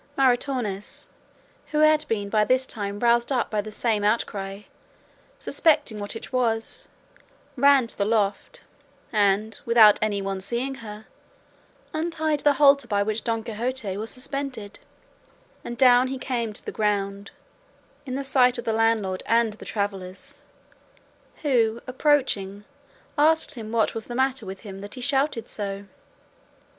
Maritornes, who had been by this time roused up by the same outcry, suspecting what it was, ran to the loft and, without anyone seeing her, untied the halter by which Don Quixote was suspended, and down he came to the ground in the sight of the landlord and the travellers, who approaching asked him what was the matter with him that he shouted so.